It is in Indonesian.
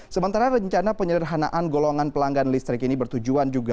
sementara rencana penyederhanaan golongan pelanggan listrik ini bertujuan juga